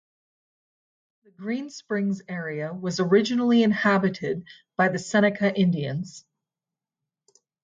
The Green Springs area was originally inhabited by the Seneca Indians.